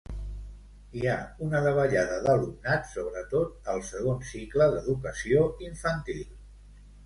Hi ha una davallada d'alumnat sobretot al segon cicle d'educació infantil.